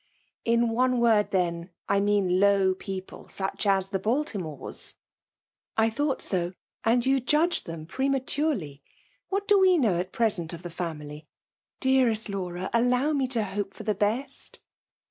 '•^ In one word, then> I mean low people, ^%ttbh tus the Balttmores." "'*"* I thought so ; and you judge them pre maturely. What do we know at present of the faiii9y? Dearest Laura! aflow me to hope for the best